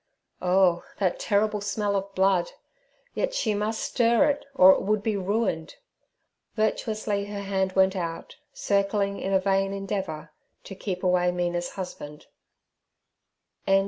Oh, that terrible smell of blood! Yet she must stir it, or it would be ruined. Virtuously her hand went out, circling in a vain endeavour to keep away Mina's husband.